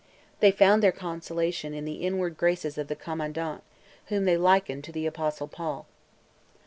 They found their consolation in the inward graces of the commandant, whom they likened to the Apostle Paul.